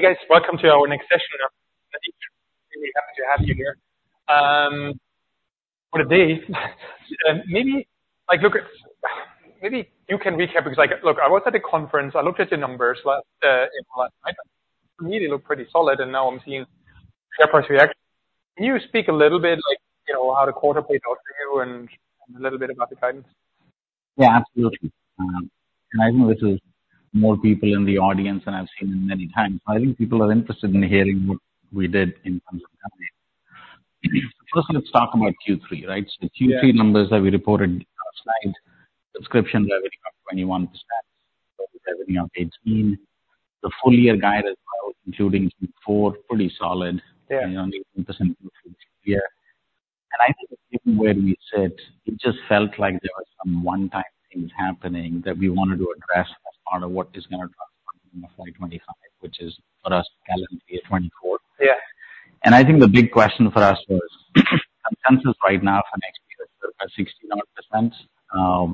Hey, guys. Welcome to our next session. Really happy to have you here. What a day! Maybe, like, look, maybe you can recap because, like, look, I was at the conference. I looked at the numbers last night. To me, they look pretty solid, and now I'm seeing share price react. Can you speak a little bit like, you know, how the quarter played out for you and a little bit about the guidance? Yeah, absolutely. I know this is more people in the audience than I've seen in many times. I think people are interested in hearing what we did in terms of that. First, let's talk about Q3, right? Yeah. The Q3 numbers that we reported last night, subscription revenue up 21%, $70 of $18. The full year guide as well, including Q4, pretty solid. Yeah. You know, percent year. And I think where we said, it just felt like there were some one-time things happening that we wanted to address as part of what is going to drive in the FY25, which is, for us, calendar year 2024. Yeah. I think the big question for us was, consensus right now for next year is 69%,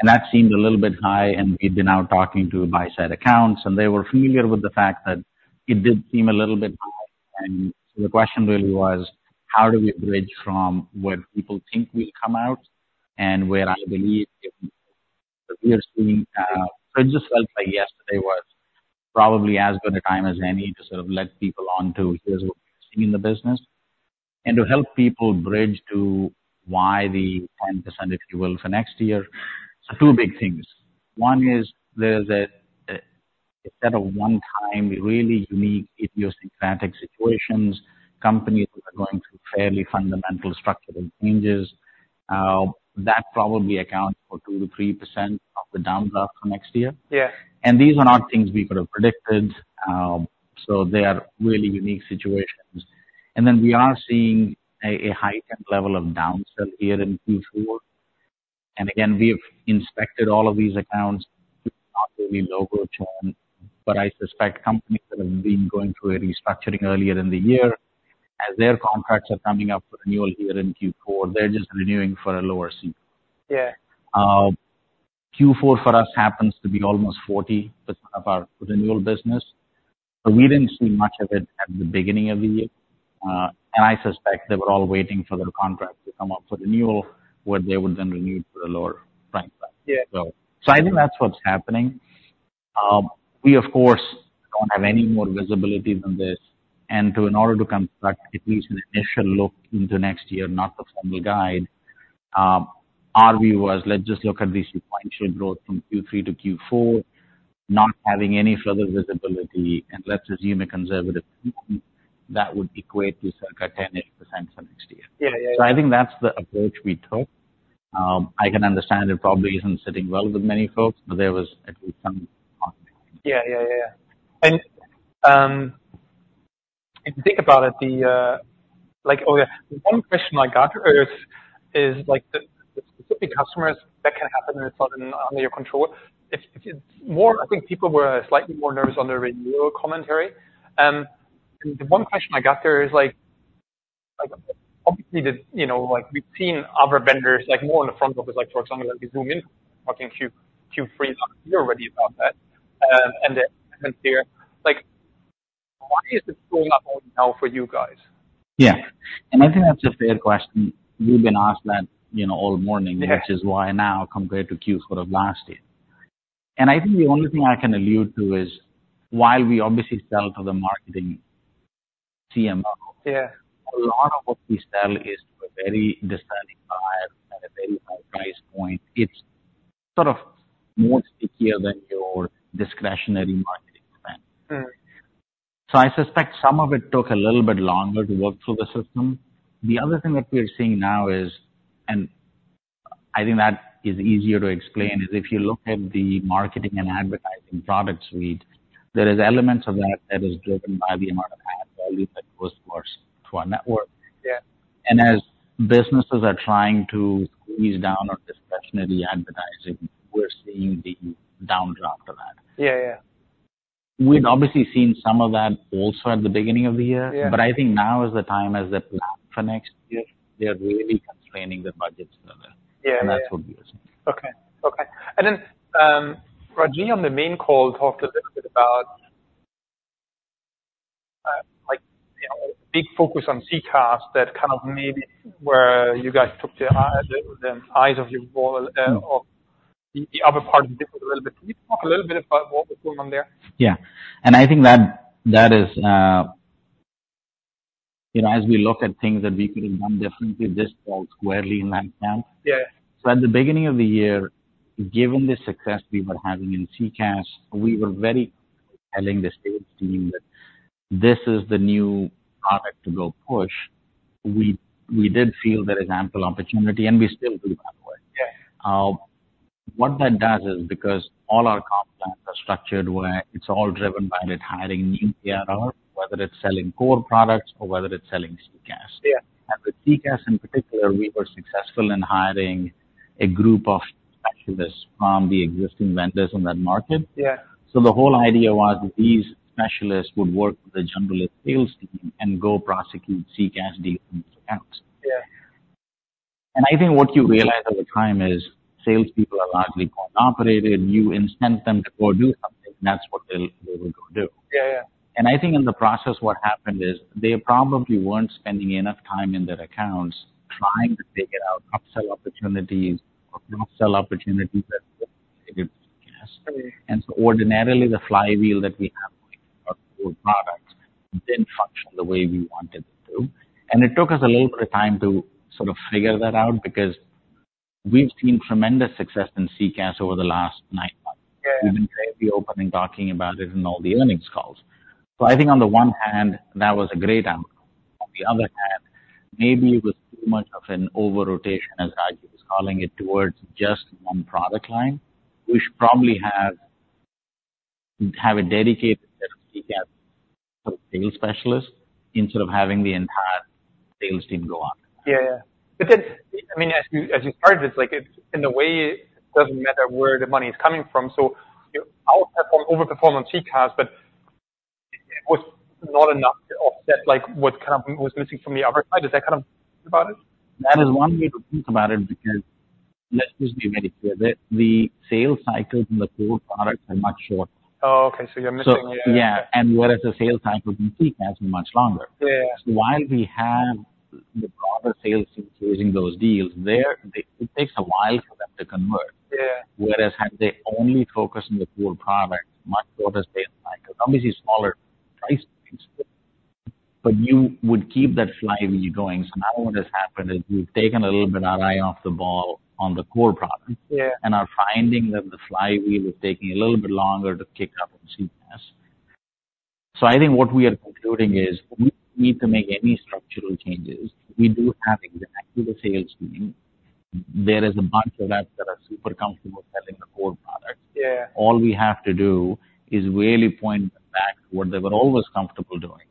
and that seemed a little bit high, and we've been out talking to buy-side accounts, and they were familiar with the fact that it did seem a little bit high. The question really was, How do we bridge from what people think will come out and where I believe we are seeing... I just felt like yesterday was probably as good a time as any to sort of let people on to here's what we see in the business, and to help people bridge to why the 10%, if you will, for next year. Two big things. One is there's a set of one-time, really unique, idiosyncratic situations, companies that are going through fairly fundamental structural changes. That probably accounts for 2%-3% of the downdraft for next year. Yeah. These are not things we could have predicted, so they are really unique situations. And then we are seeing a high level of downsell here in Q4. And again, we've inspected all of these accounts, not really logo term, but I suspect companies that have been going through a restructuring earlier in the year, as their contracts are coming up for renewal here in Q4, they're just renewing for a lower seat. Yeah. Q4 for us happens to be almost 40% of our renewal business, but we didn't see much of it at the beginning of the year. And I suspect they were all waiting for their contracts to come up for renewal, where they would then renew for the lower price. Yeah. So, I think that's what's happening. We of course don't have any more visibility than this, and in order to construct at least an initial look into next year, not the formal guide, our view was let's just look at this point shape growth from Q3 to Q4, not having any further visibility, and let's assume a conservative view that would equate to circa 10.8% for next year. Yeah. Yeah. So I think that's the approach we took. I can understand it probably isn't sitting well with many folks, but there was at least some- Yeah, yeah, yeah. And if you think about it, the like— Oh, yeah, one question I got is like the specific customers that can happen under your control. It's more I think people were slightly more nervous on the renewal commentary. And the one question I got there is like, obviously the you know like we've seen other vendors like more on the front office like for example like Zoom in talking Q3 already about that and then here like why is it going up now for you guys? Yeah. I think that's a fair question. We've been asked that, you know, all morning- Yeah... Which is why now compared to Q4 of last year. I think the only thing I can allude to is, while we obviously sell to the marketing CMO- Yeah A lot of what we sell is to a very discerning buyer at a very high price point. It's sort of more stickier than your discretionary marketing plan. Mm. I suspect some of it took a little bit longer to work through the system. The other thing that we are seeing now is, and I think that is easier to explain, is if you look at the marketing and advertising product suite, there is elements of that that is driven by the amount of ad value that goes forth to our network. Yeah. As businesses are trying to squeeze down on discretionary advertising, we're seeing the downdraft of that. Yeah, yeah. We'd obviously seen some of that also at the beginning of the year. Yeah. I think now is the time, as the plan for next year, they are really constraining the budgets further. Yeah, yeah. That's what we are seeing. Okay, okay. And then, Ragy, on the main call, talked a little bit about, like, you know, a big focus on CCaaS, that kind of maybe where you guys took your eye off the ball, off the other part of the business a little bit. Can you talk a little bit about what was going on there? Yeah. And I think that, that is, you know, as we look at things that we could have done differently, this falls squarely in that camp. Yeah. At the beginning of the year, given the success we were having in CCaaS, we were very telling the sales team that this is the new product to go push. We, we did feel there is ample opportunity, and we still do, by the way. Yeah. What that does is because all our comp plans are structured, where it's all driven by it hiring new PR, whether it's selling core products or whether it's selling CCaaS. Yeah. With CCaaS, in particular, we were successful in hiring a group of specialists from the existing vendors on that market. Yeah. The whole idea was that these specialists would work with the generalist sales team and go prosecute CCaaS deals accounts. I think what you realize over time is, salespeople are largely cooperating. You incent them to go do something, that's what they'll go do. Yeah, yeah. I think in the process, what happened is, they probably weren't spending enough time in their accounts trying to figure out cross-sell opportunities or cross-sell opportunities that it would be best. Yeah. Ordinarily, the flywheel that we have for products didn't function the way we wanted it to. It took us a little bit of time to sort of figure that out, because we've seen tremendous success in CCaaS over the last nine months. Yeah. We've been greatly open in talking about it in all the earnings calls. So I think on the one hand, that was a great outcome. On the other hand, maybe it was too much of an over-rotation, as Ajit was calling it, towards just one product line. We should probably have a dedicated CCaaS specialist instead of having the entire sales team go on. Yeah, yeah. But then, I mean, as you, as you heard, it's like it's in a way, it doesn't matter where the money is coming from. So you outperforming, overperform on CCaaS, but it was not enough to offset, like, what kind of was missing from the other side. Is that kind of about it? That is one way to think about it, because let's just be very clear, the sales cycles in the core products are much shorter. Oh, okay. So you're missing, yeah. Yeah. Whereas the sales cycle with CCaaS are much longer. Yeah. While we have the broader sales team closing those deals there, it takes a while for them to convert. Yeah. Whereas had they only focused on the core products, much shorter sales cycle, obviously, smaller price points, but you would keep that flywheel going. So now what has happened is we've taken a little bit our eye off the ball on the core products- Yeah. - and are finding that the flywheel is taking a little bit longer to kick up on CCaaS. So I think what we are concluding is, we need to make any structural changes. We do have an active sales team. There is a bunch of reps that are super comfortable selling the core products. Yeah. All we have to do is really point them back to what they were always comfortable doing.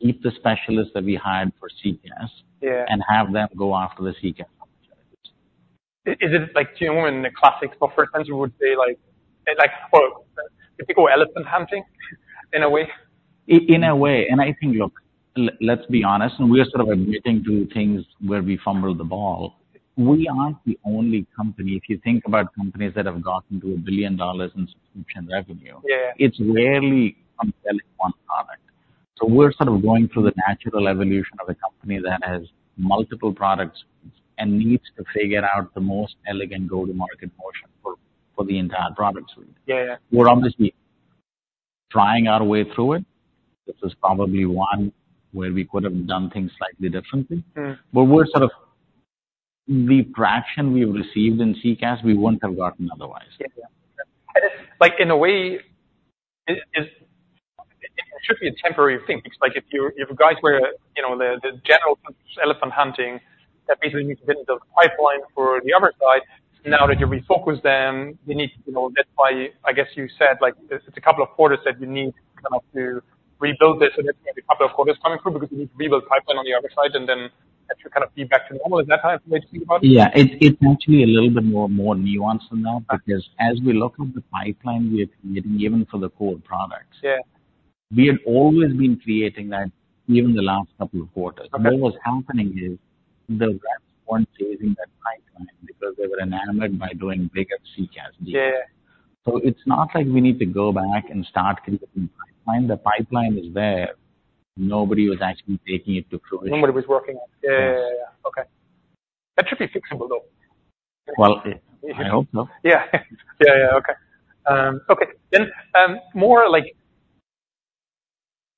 Keep the specialists that we hired for CCaaS- Yeah and have them go after the CCaaS opportunities. Is it like doing the classic, for instance, you would say like, like for typical elephant hunting, in a way? In a way. And I think, look, let's be honest, and we are sort of admitting to things where we fumbled the ball. We aren't the only company. If you think about companies that have gotten to $1 billion in subscription revenue- Yeah It's rarely selling one product. So we're sort of going through the natural evolution of a company that has multiple products and needs to figure out the most elegant go-to-market motion for the entire product suite. Yeah, yeah. We're obviously trying our way through it. This is probably one where we could have done things slightly differently. Mm. But we're sort of... The traction we've received in CCaaS, we wouldn't have gotten otherwise. Yeah. Like, in a way, it should be a temporary thing, because like, if you guys were, you know, the general elephant hunting, that means you need to build a pipeline for the other side. Now that you refocus them, you need to know that by—I guess you said, like, it's a couple of quarters that you need kind of to rebuild this, and it's going to be a couple of quarters coming through, because you need to rebuild pipeline on the other side, and then that should kind of be back to normal. Is that how you think about it? Yeah. It's actually a little bit more nuanced than that, because as we look at the pipeline we are creating, even for the core products- Yeah We have always been creating that, even the last couple of quarters. Okay. What was happening is, the reps weren't closing that pipeline because they were enamored by doing bigger CCaaS deals. Yeah. It's not like we need to go back and start creating pipeline. The pipeline is there. Nobody was actually taking it to fruition. Nobody was working on it. Yeah, yeah, yeah. Okay. That should be fixable, though. Well, I hope so. Yeah. Yeah, yeah. Okay. Okay, then, more like...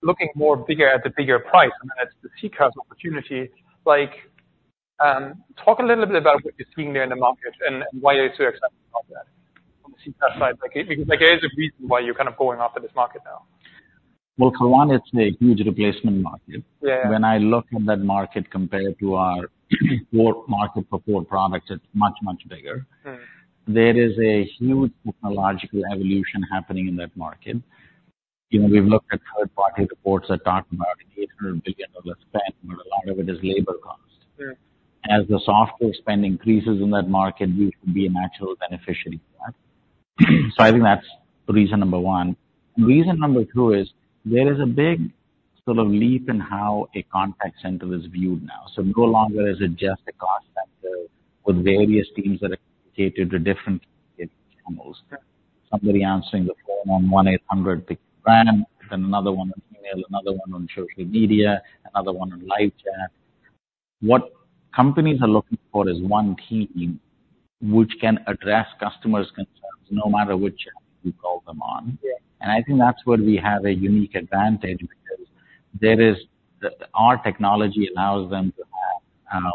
Looking more bigger at the bigger price, and that's the CCaaS opportunity. Like, talk a little bit about what you're seeing there in the market and why you're so excited about that, on the CCaaS side. Like, there's a reason why you're kind of going after this market now. Well, for one, it's a huge replacement market. Yeah. When I look at that market compared to our core market for core products, it's much, much bigger. Mm. There is a huge technological evolution happening in that market. You know, we've looked at third-party reports that talk about $800 billion spent, where a lot of it is labor cost. Sure. As the software spend increases in that market, we should be a natural beneficiary for that. So I think that's reason number one. Reason number two is, there is a big sort of leap in how a contact center is viewed now. So we no longer is it just a cost center with various teams that are dedicated to different channels. Okay. Somebody answering the phone on 1-800 big brand, then another one on email, another one on social media, another one on live chat. What companies are looking for is one team which can address customers' concerns no matter which channel you call them on. Yeah. And I think that's where we have a unique advantage because there is... Our technology allows them to,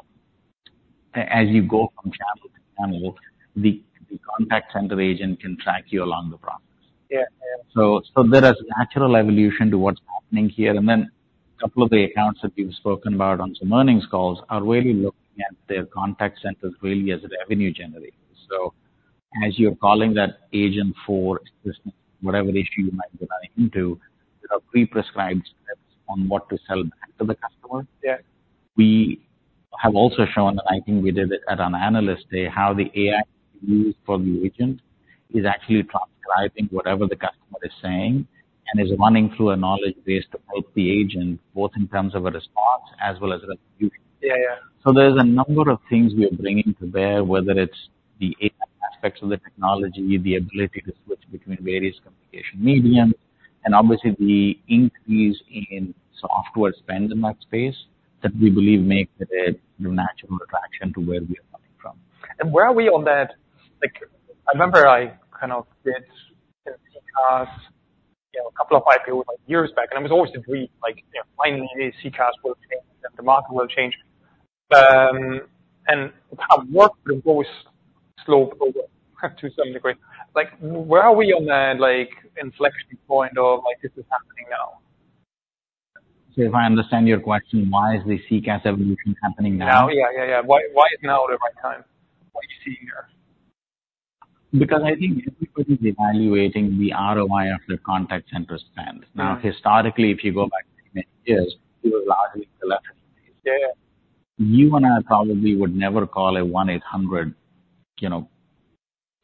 as you go from channel to channel, the contact center agent can track you along the process. Yeah. Yeah. So, there is a natural evolution to what's happening here, and then a couple of the accounts that we've spoken about on some earnings calls are really looking at their contact centers really as a revenue generator. So as you're calling that agent for whatever issue you might be running into, there are pre-prescribed steps on what to sell back to the customer. Yeah. We have also shown, I think we did it at an analyst day, how the AI used for the agent is actually transcribing whatever the customer is saying and is running through a knowledge base to help the agent, both in terms of a response as well as a review. Yeah, yeah. So there's a number of things we are bringing to bear, whether it's the AI aspects of the technology, the ability to switch between various communication mediums, and obviously the increase in software spend in that space, that we believe make it a natural attraction to where we are coming from. And where are we on that? Like, I remember I kind of did a CCaaS, you know, a couple of, like, years back, and I was always agreed, like, yeah, finally, CCaaS will change, and the market will change. And how work will go slow over to some degree. Like, where are we on that, like, inflection point of, like, this is happening now? If I understand your question, why is the CCaaS evolution happening now? Yeah. Yeah, yeah, yeah. Why, why is now the right time? What do you see here? Because I think everybody's evaluating the ROI of their contact center spend. Mm. Now, historically, if you go back, years, it was largely left. Yeah. You and I probably would never call a 1-800, you know,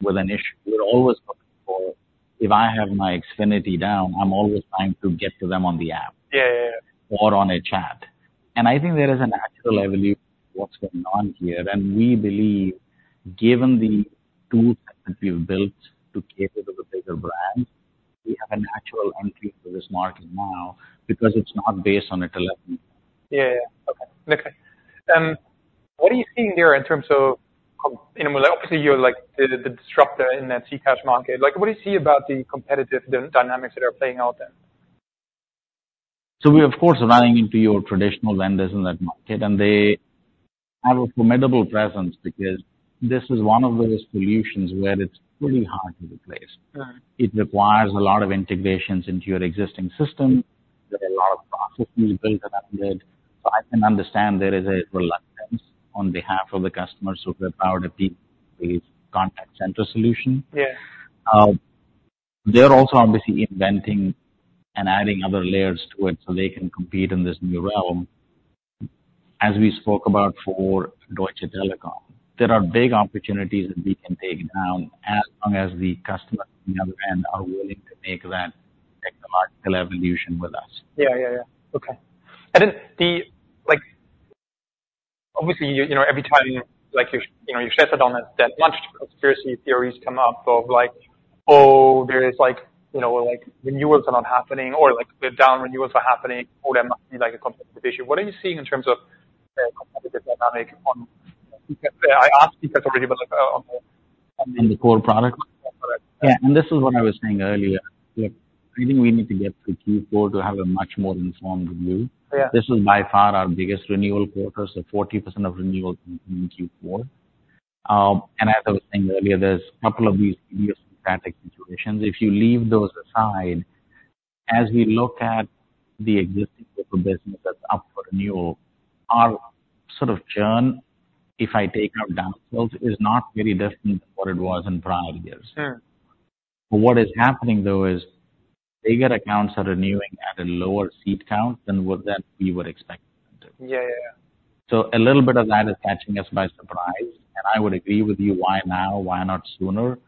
with an issue. We're always looking for, if I have my Xfinity down, I'm always trying to get to them on the app. Yeah. Yeah, yeah. Or on a chat. I think there is a natural evolution of what's going on here, and we believe, given the tools that we've built to cater to the bigger brands, we have a natural entry into this market now because it's not based on a collection. Yeah, yeah. Okay. Okay, what do you see there in terms of, you know, obviously, you're like the, the disruptor in that CCaaS market. Like, what do you see about the competitive dynamics that are playing out there? So we're of course running into your traditional vendors in that market, and they have a formidable presence because this is one of those solutions where it's pretty hard to replace. Right. It requires a lot of integrations into your existing system. There are a lot of processes built around it. I can understand there is a reluctance on behalf of the customer. So we're powering a big contact center solution. Yeah. They're also obviously inventing and adding other layers to it so they can compete in this new realm. As we spoke about for Deutsche Telekom, there are big opportunities that we can take down as long as the customer, on the other hand, are willing to make that technological evolution with us. Yeah, yeah, yeah. Okay. And then the, like, obviously, you know, every time, like, you know, you stress it on, that much conspiracy theories come up of like, oh, there is like, you know, like, renewals are not happening or like, the down renewals are happening, or there might be, like, a competitive issue. What are you seeing in terms of the competitive dynamic on? I asked you that already, but on the- On the core product? Correct. Yeah, and this is what I was saying earlier, that I think we need to get to Q4 to have a much more informed view. Yeah. This is by far our biggest renewal quarter, so 40% of renewals in Q4. As I was saying earlier, there's a couple of these strategic situations. If you leave those aside, as we look at the existing business that's up for renewal, our sort of churn, if I take our down sales, is not very different than what it was in prior years. Sure. But what is happening, though, is bigger accounts are renewing at a lower seat count than what that we would expect them to. Yeah, yeah, yeah. A little bit of that is catching us by surprise. I would agree with you, why now? Why not sooner?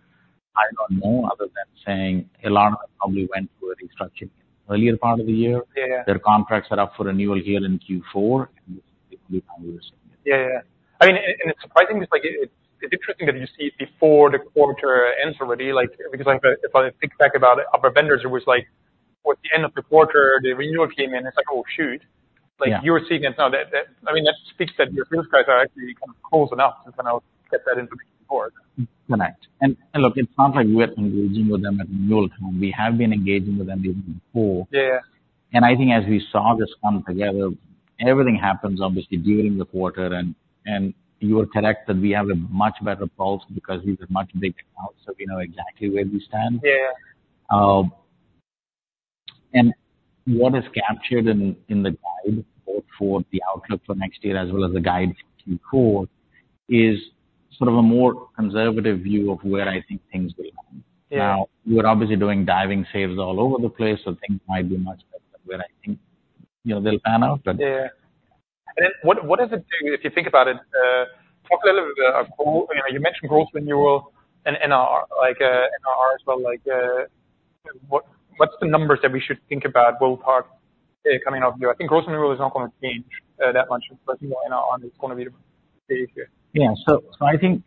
I don't know, other than saying Alara probably went through a restructuring in earlier part of the year. Yeah, yeah. Their contracts are up for renewal here in Q4. Yeah, yeah. I mean, and it's surprising, it's like, it's interesting that you see it before the quarter ends already. Like, because, like, if I think back about it, other vendors, it was like, towards the end of the quarter, the renewal came in, it's like, "Oh, shoot! Yeah. Like, you were seeing it now. I mean, that speaks that your sales guys are actually kind of close enough to kind of get that information forward. Correct. And, look, it's not like we're engaging with them at the middle of the time. We have been engaging with them even before. Yeah. I think as we saw this come together, everything happens obviously during the quarter, and you are correct that we have a much better pulse because these are much bigger accounts, so we know exactly where we stand. Yeah. And what is captured in the guide, both for the outlook for next year as well as the guide Q4, is sort of a more conservative view of where I think things will land. Yeah. Now, we're obviously doing diving saves all over the place, so things might be much better than where I think, you know, they'll pan out, but- Yeah. And then what, what does it do if you think about it, talk a little bit about, you know, you mentioned gross renewal and NRR, like, NRR as well, like, what, what's the numbers that we should think about both are coming up here? I think gross renewal is not going to change that much, but, you know, NRR is going to be different. Yeah. So, so I think.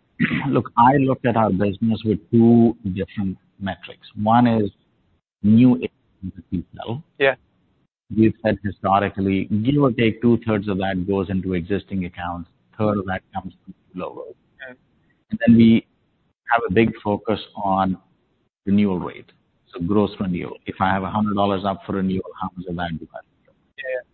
Look, I looked at our business with two different metrics. One is new... Yeah. We've said historically, give or take, two-thirds of that goes into existing accounts, third of that comes from global. Okay. And then we have a big focus on renewal rate, so gross renewal. If I have $100 up for renewal, how much of that do I have?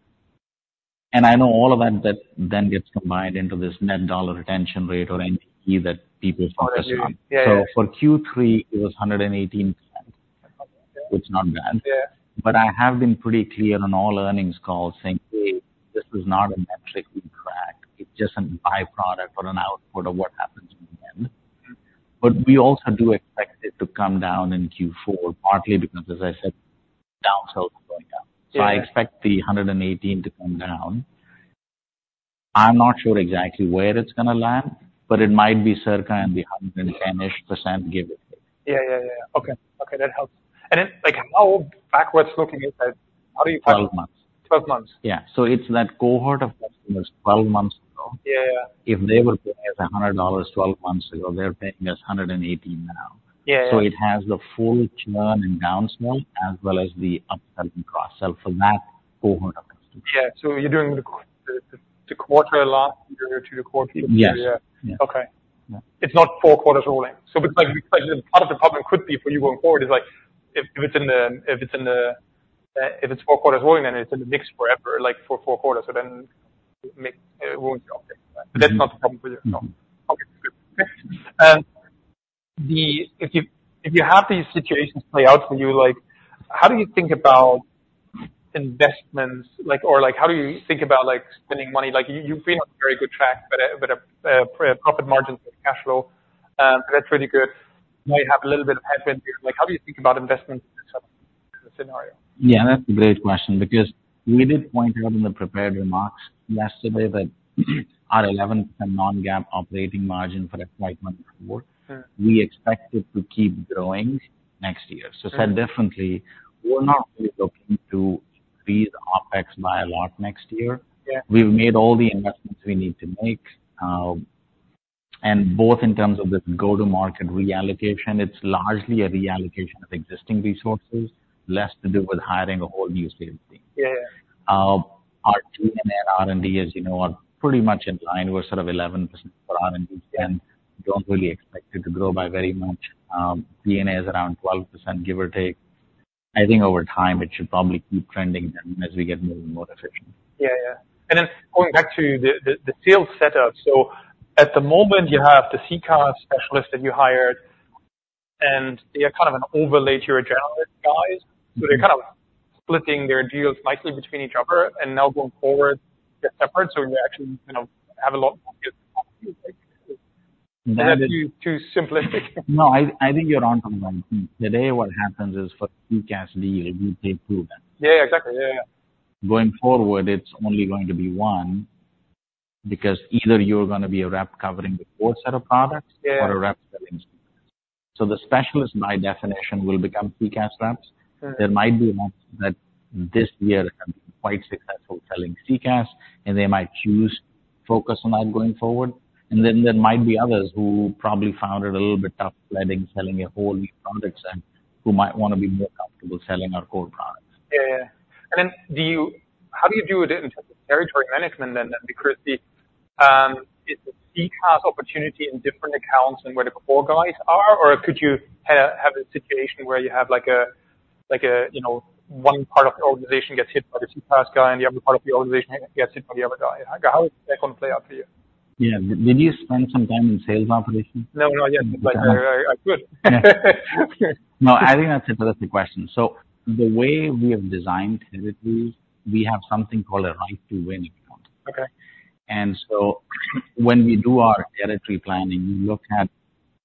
Yeah. I know all of that, that then gets combined into this net dollar retention rate or NRR that people focus on. Yeah, yeah. For Q3, it was 118%. It's not bad. Yeah. But I have been pretty clear on all earnings calls, saying, "Hey, this is not a metric we track. It's just a byproduct or an output of what happens in the end." But we also do expect it to come down in Q4, partly because, as I said, down sales are going up. Yeah. I expect the 118 to come down... I'm not sure exactly where it's gonna land, but it might be circa in the 110%, give or take. Yeah, yeah, yeah. Okay. Okay, that helps. And then, like, how backwards looking is that? How do you- Twelve months. Twelve months? Yeah. So it's that cohort of customers 12 months ago. Yeah. If they were paying us $100 12 months ago, they're paying us $180 now. Yeah, yeah. So it has the full churn and downswing, as well as the upselling cost. So for that cohort of customers. Yeah. So you're doing the quarter last year to the quarter this year? Yes. Yeah. Okay. Yeah. It's not four quarters rolling. So but like, but part of the problem could be for you going forward is like, if, if it's in the, if it's in the, if it's four quarters rolling, then it's in the mix forever, like, for four quarters, so then it mix-- it won't be okay. Mm-hmm. But that's not the problem with it. No. Okay, good. If you, if you have these situations play out for you, like, how do you think about investments? Like, or like, how do you think about, like, spending money? Like, you, you've been on a very good track, but profit margins and cash flow, that's really good. Might have a little bit of headwind. Like, how do you think about investments in such a scenario? Yeah, that's a great question, because we did point out in the prepared remarks yesterday that our 11% non-GAAP operating margin for the Q1 month forward- Mm. We expect it to keep growing next year. Mm. Said differently, we're not really looking to increase the OpEx by a lot next year. Yeah. We've made all the investments we need to make, and both in terms of the go-to-market reallocation, it's largely a reallocation of existing resources, less to do with hiring a whole new sales team. Yeah. Our R&D, as you know, are pretty much in line with sort of 11% for R&D, and don't really expect it to grow by very much. G&A is around 12%, give or take. I think over time, it should probably keep trending down as we get more and more efficient. Yeah, yeah. And then going back to the sales setup. So at the moment, you have the CCaaS specialists that you hired, and they are kind of an overlay to your generalist guys. Mm-hmm. So they're kind of splitting their deals likely between each other, and now going forward, they're separate, so you actually, you know, have a lot more deals. Is that too simplistic? No, I think you're on to something. Today, what happens is, for CCaaS lead, you take two events. Yeah, exactly. Yeah, yeah. Going forward, it's only going to be one, because either you're gonna be a rep covering the core set of products- Yeah. or a rep selling. So the specialist, by definition, will become CCaaS reps. Mm. There might be reps that this year have been quite successful selling CCaaS, and they might choose focus on that going forward. Then there might be others who probably found it a little bit tough leading, selling a whole new product set, who might want to be more comfortable selling our core products. Yeah, yeah. And then, do you, how do you do it in terms of territory management then? Because the is the CCaaS opportunity in different accounts than where the core guys are? Or could you have a situation where you have like a, you know, one part of the organization gets hit by the CCaaS guy, and the other part of the organization gets hit by the other guy. How is that going to play out for you? Yeah. Did you spend some time in sales operations? No, not yet. Okay. But I could. Yeah. No, I think that's a lovely question. So the way we have designed territories, we have something called a Right to Win account. Okay. And so when we do our territory planning, we look at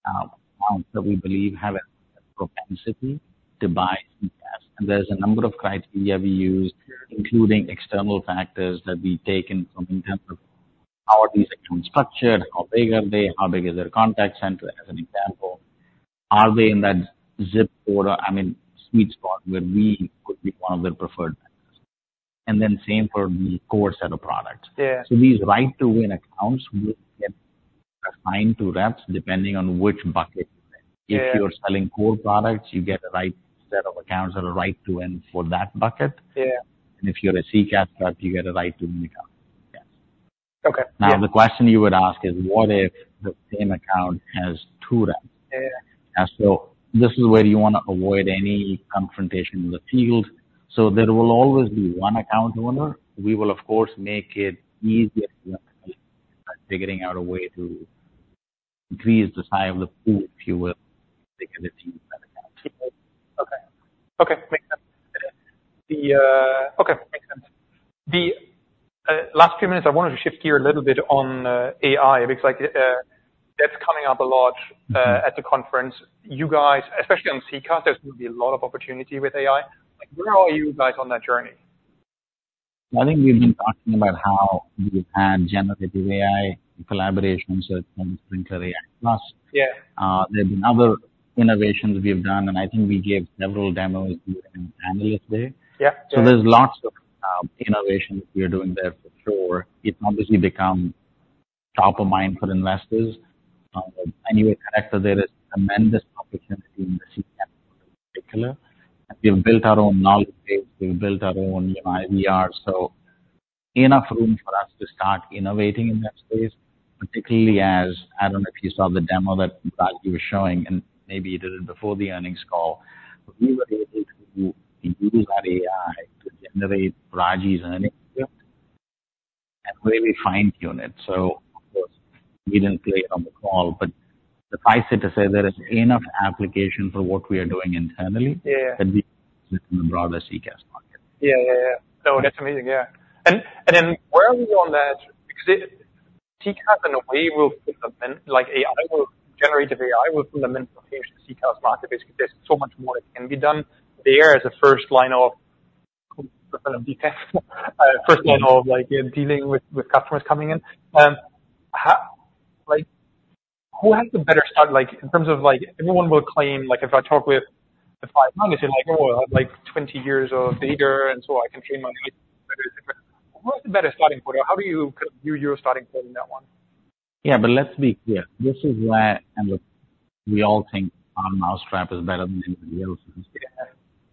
accounts that we believe have a propensity to buy CCaaS. And there's a number of criteria we use- Sure... including external factors that we take in from, in terms of how are these accounts structured, how big are they, how big is their contact center, as an example. Are they in that zip order, I mean, sweet spot, where we could be one of their preferred vendors. And then same for the core set of products. Yeah. These Right to Win accounts will get assigned to reps, depending on which bucket you're in. Yeah. If you're selling core products, you get the right set of accounts that are right to win for that bucket. Yeah. If you're a CCaaS rep, you get a Right to Win account. Yes. Okay. Now, the question you would ask is: What if the same account has two reps? Yeah. This is where you want to avoid any confrontation in the field. There will always be one account owner. We will, of course, make it easier by figuring out a way to increase the size of the pool, if you will, within the team account. Okay. Okay, makes sense. The last few minutes, I wanted to shift gear a little bit on AI, because, like, that's coming up a lot at the conference. You guys, especially on CCaaS, there's going to be a lot of opportunity with AI. Like, where are you guys on that journey? I think we've been talking about how we've had generative AI collaborations with Sprinklr AI+. Yeah. There's been other innovations we've done, and I think we gave several demos during analyst day. Yeah. So there's lots of innovations we are doing there for sure. It's obviously become top of mind for investors. Anyway, connected, there is tremendous opportunity in CCaaS in particular. We've built our own knowledge base, we've built our own IVR. So enough room for us to start innovating in that space, particularly as—I don't know if you saw the demo that Ragy was showing, and maybe you did it before the earnings call. We were able to use our AI to generate Ragy's earnings script and really fine-tune it. So of course, we didn't play it on the call, but suffice it to say, there is enough application for what we are doing internally- Yeah -that we in the broader CCaaS market. Yeah, yeah, yeah. No, that's amazing. Yeah. And then where are we on that? Because CCaaS in a way will put even, like AI will, generative AI will put them in the CCaaS market. Basically, there's so much more that can be done there as a first line of defense. First line of, like, in dealing with customers coming in. How like, who has the better start, like, in terms of like, everyone will claim, like, if I talk with the 500, like, oh, I have like 20 years of data, and so I can train my better. What's the better starting point? How do you view your starting point in that one? Yeah, but let's be clear. This is where and look, we all think our mousetrap is better than anybody else's.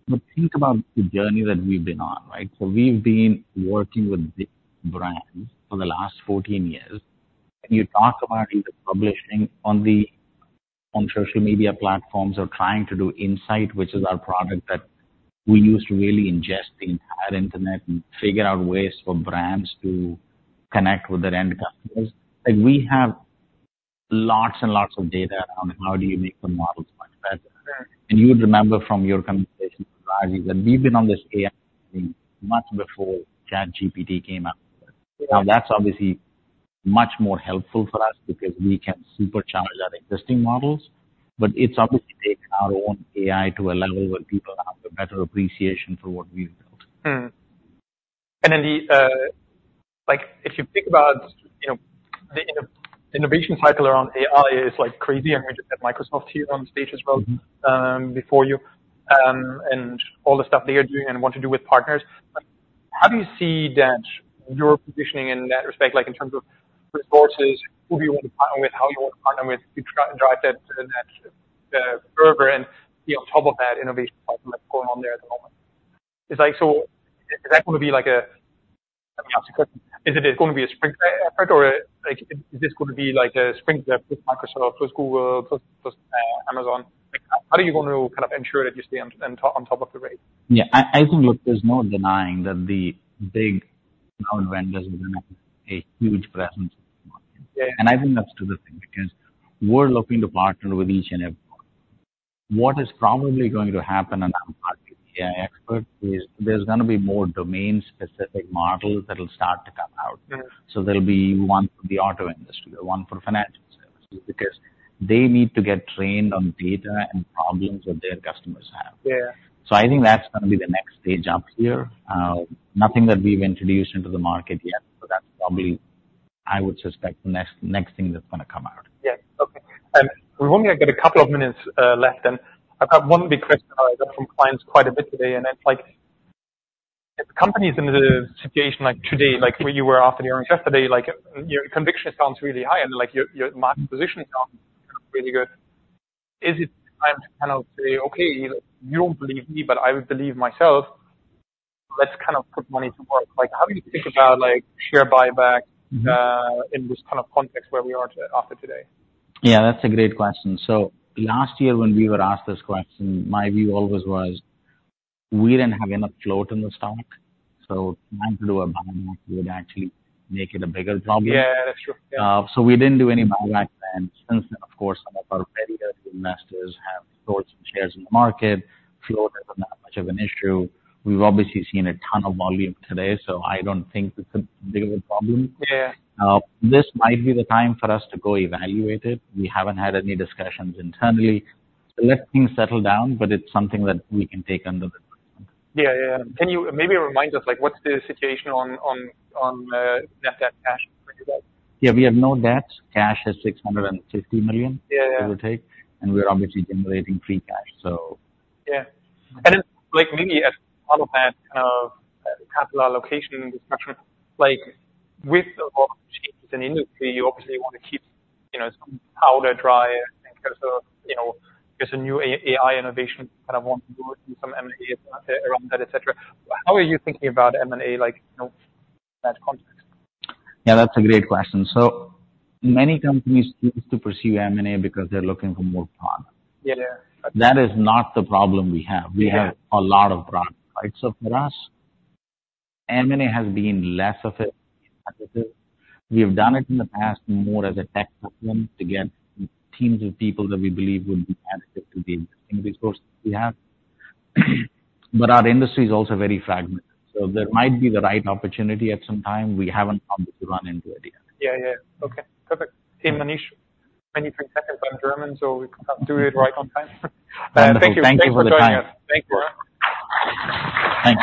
But think about the journey that we've been on, right? So we've been working with big brands for the last 14 years, and you talk about either publishing on the- on social media platforms or trying to do Insights, which is our product that we use to really ingest the entire Internet and figure out ways for brands to connect with their end customers. Like, we have lots and lots of data on how do you make the models much better. Mm. You would remember from your conversation with Ragy, that we've been on this AI much before ChatGPT came out. Now, that's obviously much more helpful for us because we can supercharge our existing models, but it's obviously take our own AI to a level where people have a better appreciation for what we've built. And then the, like, if you think about, you know, the innovation cycle around AI is, like, crazy. I mean, we just had Microsoft here on stage as well, before you, and all the stuff they are doing and want to do with partners. How do you see your positioning in that respect, like, in terms of resources, who do you want to partner with, how you want to partner with to try and drive that further and be on top of that innovation that's going on there at the moment? It's like, so is that going to be like a— Let me ask the question: Is it going to be a Sprinklr effect or, like, is this going to be like a Sprinklr step with Microsoft, with Google, plus, plus, Amazon? How are you going to kind of ensure that you stay on top, on top of the rate? Yeah, I, I think, look, there's no denying that the big cloud vendors are going to make a huge presence. Yeah. I think that's a good thing, because we're looking to partner with each and everyone. What is probably going to happen, and I'm not the AI expert, is there's gonna be more domain-specific models that will start to come out. Yeah. So there'll be one for the auto industry, one for financial services, because they need to get trained on data and problems that their customers have. Yeah. I think that's gonna be the next stage up here. Nothing that we've introduced into the market yet, so that's probably, I would suspect, next, next thing that's gonna come out. Yes. Okay. We've only got a couple of minutes left, and I've got one big question I got from clients quite a bit today, and it's like, if the company is in a situation like today, like where you were after hearing yesterday, like, your conviction sounds really high and, like, your, your market position sounds really good. Is it time to kind of say, "Okay, you don't believe me, but I believe myself. Let's kind of put money to work?" Like, how do you think about, like, share buyback- Mm-hmm. In this kind of context where we are to after today? Yeah, that's a great question. So last year when we were asked this question, my view always was we didn't have enough float in the stomach, so trying to do a buyback would actually make it a bigger problem. Yeah, that's true. Yeah. So we didn't do any buyback then. Since then, of course, some of our earlier investors have sold some shares in the market. Float is not much of an issue. We've obviously seen a ton of volume today, so I don't think it's a bigger problem. Yeah. This might be the time for us to go evaluate it. We haven't had any discussions internally. Let things settle down, but it's something that we can take under the... Yeah, yeah. Can you maybe remind us, like, what's the situation on net debt cash for you guys? Yeah, we have no debt. Cash is $650 million- Yeah, yeah. give or take, and we are obviously generating free cash, so. Yeah. And like, maybe as part of that capital allocation discussion, like, with a lot of changes in the industry, you obviously want to keep, you know, some powder dry in terms of, you know, there's a new AI innovation, kind of want to do some M&A around that, et cetera. How are you thinking about M&A, like, you know, that context? Yeah, that's a great question. Many companies choose to pursue M&A because they're looking for more product. Yeah. That is not the problem we have. Yeah. We have a lot of products. For us, M&A has been less of it. We have done it in the past more as a tech platform to get teams of people that we believe would be additive to the existing resources we have. Our industry is also very fragmented, so there might be the right opportunity at some time. We haven't obviously run into it yet. Yeah, yeah. Okay, perfect. Hey, Manish, 23 seconds. I'm German, so we can do it right on time. Thank you. Thanks for the time. Thank you. Thank you.